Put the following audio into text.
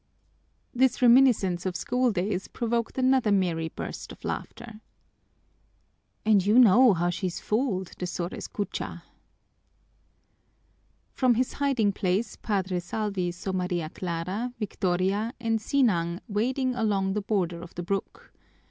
_" This reminiscence of school days provoked another merry burst of laughter. "And you know how she's fooled, the Sor Escucha!" From his hiding place Padre Salvi saw Maria Clara, Victoria, and Sinang wading along the border of the brook.